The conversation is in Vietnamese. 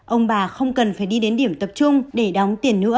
ông bà không cần phải đi đến điểm tập trung để đóng tiền nữa